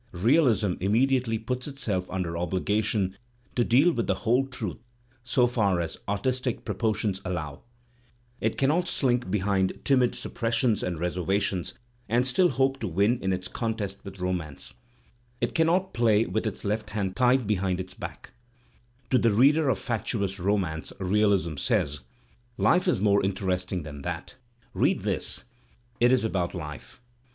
Realism immediately puts i under obligation to deal with the whole truth so far as artistic proportions allow; it cannot slink behind timid suppressions and reservations and still hope to win in its contest with Romance. It cannot play with its left hand tied behind i back. To the reader of fatuous romance, ReaUsm says: ''life is more interesting than that; read this; it is about Digitized by Google \ 284 THE SPIRIT OF AMERICAN LITERATURE life."